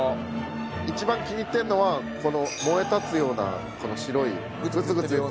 一番気に入ってるのはこの燃え立つような白いグツグツいってるとこ。